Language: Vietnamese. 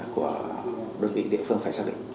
của đơn vị địa phương phải xác định